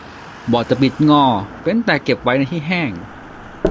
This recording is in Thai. บอร์ดจะบิดงอเว้นแต่เก็บไว้ในที่แห้ง